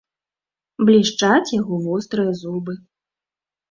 Блішчаць яго вострыя зубы.